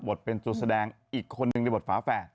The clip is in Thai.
เป็นตัวแสดงอีกคนนึงในบทฝาแฝด